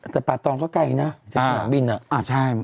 แต่ป่าตองก็ไกลนะจากหลังบินเนี่ย